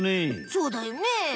そうだよねえ。